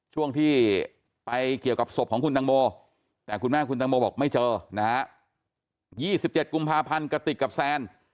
ช่วงที่ไปเกี่ยวกับสมบุคคุณบอกไม่เจอ๒๗กุมภาพันธุ์กระติกกับแซน